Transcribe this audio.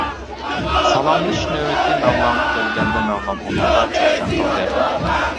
سالاملىشىش نۆۋىتى مەۋلانغا كەلگەندە، مەۋلان ئۇنىڭغا چاقچاق قىلدى.